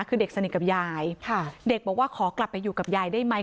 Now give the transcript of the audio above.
คือเด็กสนิทกับยายเด็กบอกว่าขอกลับไปอยู่กับยายได้ไหม